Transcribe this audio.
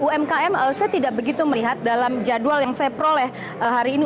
umkm saya tidak begitu melihat dalam jadwal yang saya peroleh hari ini